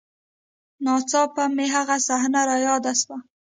نا څاپه مې هغه صحنه راياده سوه.